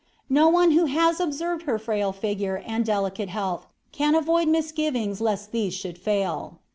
No one who has observed her fragile figure and delicate health can avoid misgivings lest these should fail."